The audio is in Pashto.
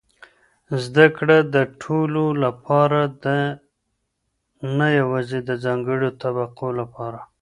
زده کړه د ټولو لپاره ده، نه یوازې د ځانګړو طبقو لپاره.